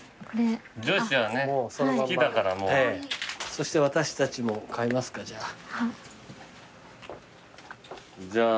そして私たちも買いますかじゃあ。